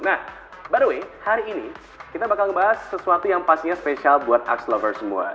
nah by the way hari ini kita bakal ngebahas sesuatu yang pastinya spesial buat akslovers semua